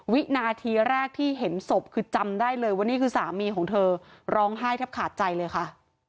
วินาทีแรกที่เห็นศพคือจำได้เลยว่านี่คือสามีของเธอร้องไห้แทบขาดใจเลยค่ะ